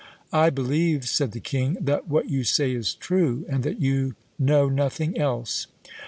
'I believe,' said the king, 'that what you say is true, and that you know nothing else.